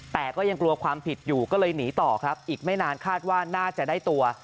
แต่ก็ยังกลัวความผิดอยู่ก็เลยหนีต่อครับอีกไม่นานคาดว่าน่าจะได้ตัว